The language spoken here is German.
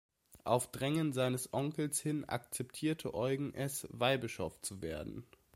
Auf Drängen seines Onkels hin akzeptierte Eugen es, Weihbischof zu werden.